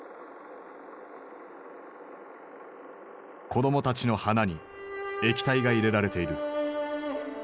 子供たちの鼻に液体が入れられている。